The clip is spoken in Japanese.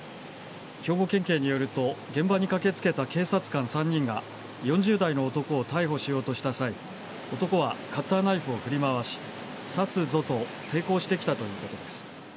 兵庫県警によると現場に駆けつけた警察官３人が４０代の男を逮捕しようとした際男はカッターナイフを振り回し刺すぞと抵抗してきたということです。